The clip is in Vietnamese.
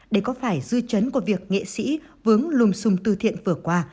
để có phải dư chấn của việc nghệ sĩ vướng lùm xùm từ thiện vừa qua